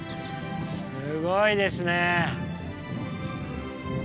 すごいですね。